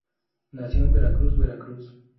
Nació en Veracruz, Veracruz.